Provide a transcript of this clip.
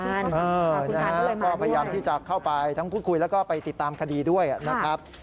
แล้วคุณการก็เลยมาด้วยนะฮะทั้งคุยแล้วก็ไปติดตามคดีด้วยนะครับ